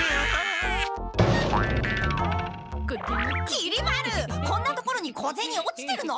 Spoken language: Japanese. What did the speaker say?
きり丸こんな所に小ゼニ落ちてるの？